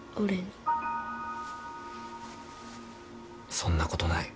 そんなことない。